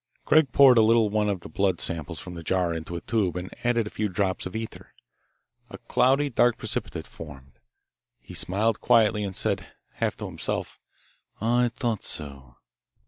Craig poured a little of one of the blood samples from the jar into a tube and added a few drops of ether. A cloudy dark precipitate formed. He smiled quietly and said, half to himself, "I thought so."